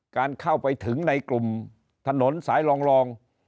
การเข้าไปถึงในกลุ่มถนนสายรอง